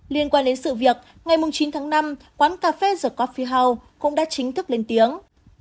liên quan đến sự việc ngày chín tháng năm quán cà phê the cophi house cũng đã chính thức lên tiếng